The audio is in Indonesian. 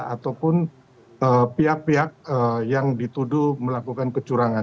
ataupun pihak pihak yang dituduh melakukan kecurangan